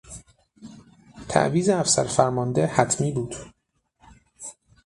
تعویض افسر فرمانده حتمی بود.